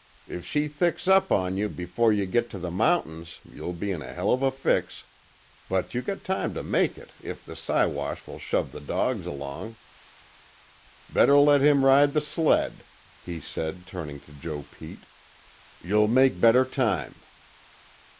If she thicks up on you before you git to the mountains you'll be in a hell of a fix but you got time to make it if the Siwash will shove the dogs along. Better let him ride the sled," he said, turning to Joe Pete, "You'll make better time."